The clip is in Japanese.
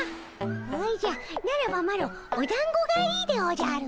おじゃならばマロおだんごがいいでおじゃる。